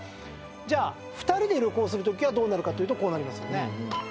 じゃあ２人で旅行するときはどうなるかというとこうなりますよね。